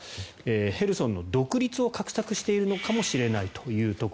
ヘルソンの独立を画策しようとしているのかもしれないと。